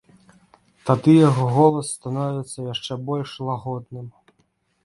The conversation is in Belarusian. Тады яго голас становіцца яшчэ больш лагодным.